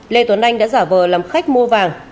lê tuấn anh đã giả vờ làm khách mua vàng